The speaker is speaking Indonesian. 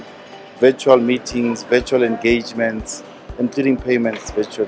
mesyuarat virtual pergabungan virtual termasuk pembayaran virtual